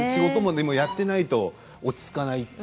でもやっていないと落ち着かない。